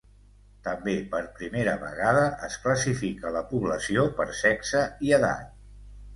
També, per primera vegada, es classifica la població per sexe i edat.